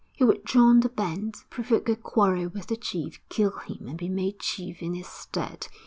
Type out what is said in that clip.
He would join the band, provoke a quarrel with the chief, kill him and be made chief in his stead.